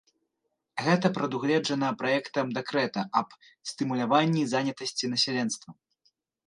Гэта прадугледжана праектам дэкрэта аб стымуляванні занятасці насельніцтва.